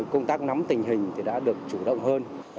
công tác nắm tình hình đã được chủ động hơn